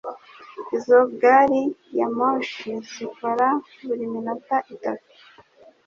Izo gari ya moshi zikora buri minota itatu.